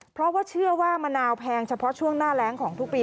เพราะว่าเชื่อว่ามะนาวแพงเฉพาะช่วงหน้าแรงของทุกปี